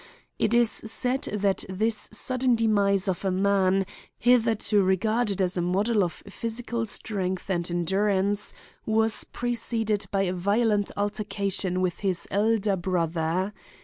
It is said that this sudden demise of a man hitherto regarded as a model of physical strength and endurance was preceded by a violent altercation with his elder brother.